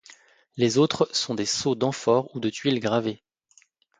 Les autres sont des sceaux d'amphores ou des tuiles gravées.